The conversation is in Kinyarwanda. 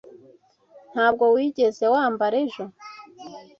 Ntabwo wigeze wambara ejo?